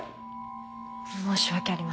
申し訳ありません。